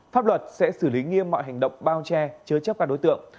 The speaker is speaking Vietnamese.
pháp luật sẽ xử lý nghiêm mọi hành động bao che chứa chấp các đối tượng